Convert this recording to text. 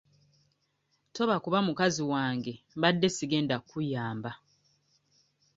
Toba kuba mukazi wange mbadde sigenda kkuyamba.